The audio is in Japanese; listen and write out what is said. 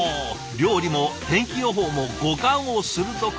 料理も天気予報も五感を鋭く。